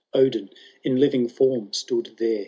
Odin in living form stood there.